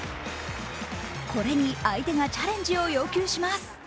これに相手がチャレンジを要求します。